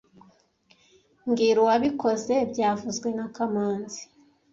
SMbwira uwabikoze byavuzwe na kamanzi